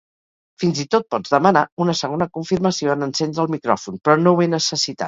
Fins i tot pots demanar una segona confirmació en encendre el micròfon, però no ho he necessitat.